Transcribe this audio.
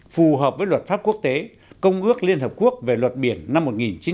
phù hợp với luật pháp quốc tế công ước liên hợp quốc về luật biển năm một nghìn chín trăm tám mươi hai